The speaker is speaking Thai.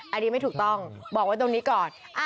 อันนี้ไม่ถูกต้องบอกไว้ตรงนี้ก่อน